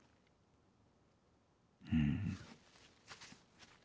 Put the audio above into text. うん。